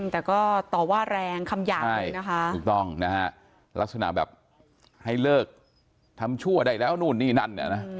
แต่ก็ต่อว่าแรงคำหยาบเลยนะคะถูกต้องนะฮะลักษณะแบบให้เลิกทำชั่วได้แล้วนู่นนี่นั่นเนี่ยนะ